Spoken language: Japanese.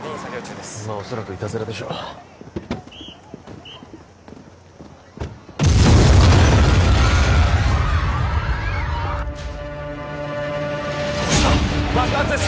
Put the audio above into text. まあ恐らくいたずらでしょうどうした！？